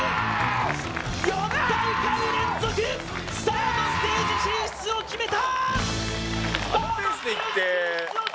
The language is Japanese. ４大会連続サードステージ進出を決めた！